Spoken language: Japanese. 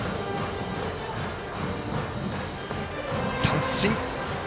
三振。